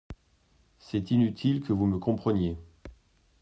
C’est inutile que vous me compreniez.